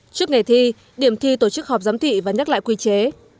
trước ngày thi điểm thi tổ chức họp giám thị và nhắc lại quy chế